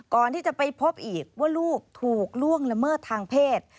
ก่อนที่จะไปพบอีกว่าลูกถูกล่วงละเมิดทางเพศ